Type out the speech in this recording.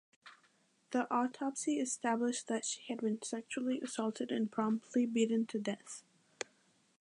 The autopsy established that she had been sexually assaulted and promptly beaten to death.